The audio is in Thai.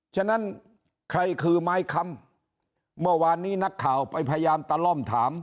ฉะนั้นใครคือไม้คำเมื่อวานนี้นักข่าวไปพยายามตะล่อมถาม